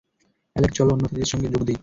Alex, চলো অন্য অতিথিদের সঙ্গে যোগ দিই।